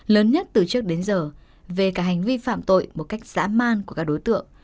lớn nhất từ trước đến giờ về cả hành vi phạm tội một cách dã man của các đối tượng